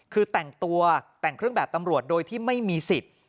คือแต่งตัวแต่งเครื่องแบบตำรวจโดยที่ไม่มีสิทธิ์